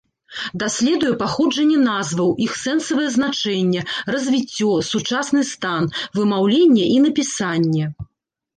Даследуе паходжанне назваў, іх сэнсавае значэнне, развіццё, сучасны стан, вымаўленне і напісанне.